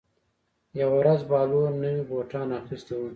یوه ورځ بهلول نوي بوټان اخیستي وو.